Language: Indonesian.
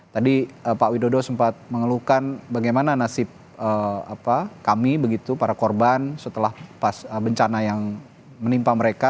tadi pak widodo sempat mengeluhkan bagaimana nasib kami begitu para korban setelah pas bencana yang menimpa mereka